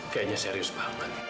kayaknya serius pak herman